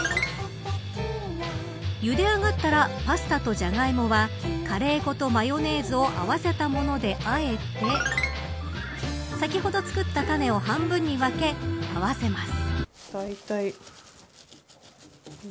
ゆであがったらパスタとジャガイモはカレー粉とマヨネーズを合わせたものであえて先ほど作ったタネを半分に分け、合わせます。